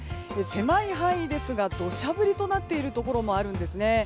狭い範囲ですが土砂降りとなっているところもあるんですね。